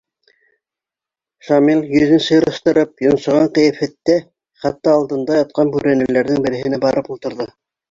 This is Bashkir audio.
Шамил, йөҙөн сирыштырып, йонсоған ҡиәфәттә, ихата алдында ятҡан бүрәнәләрҙең береһенә барып ултырҙы.